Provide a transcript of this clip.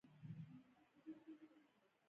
افغانستان د ځنګلونه د ترویج لپاره پروګرامونه لري.